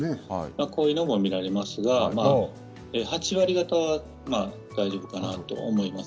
こういうのも見られますが８割方、大丈夫かなと思います。